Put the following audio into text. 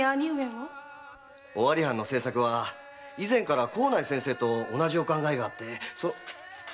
尾張藩の政策は以前から幸内先生と同じお考えがあって。